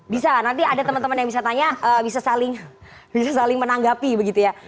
bisa nanti ada teman teman yang bisa tanya bisa saling menanggapi begitu ya